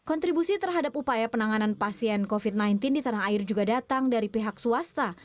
kontribusi terhadap upaya penanganan pasien covid sembilan belas di tanah air juga datang dari pihak swasta